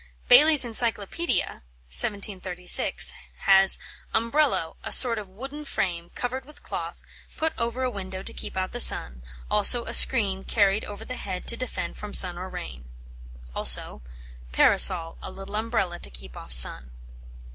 Bailey's Encyclopædia (1736) has "Umbrello, a sort of wooden frame, covered with cloth, put over a window to keep out the sun; also a screen carried over the head to defend from sun or rain." Also "Parasol, a little umbrella to keep off sun."